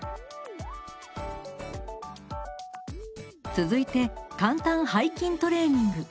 続いて「かんたん背筋トレーニング」。